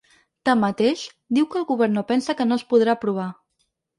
Tanmateix, diu que el govern no pensa que no els podrà aprovar.